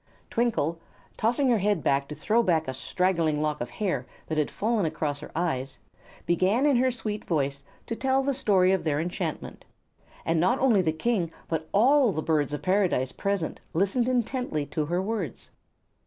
Twinkle, tossing her head to throw back a straggling lock of hair that had fallen across her eyes, began in her sweet voice to tell the story of their enchantment, and not only the King but all the Birds of Paradise present listened intently to her words.